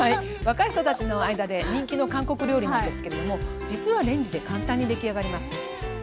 若い人たちの間で人気の韓国料理なんですけれども実はレンジで簡単に出来上がります。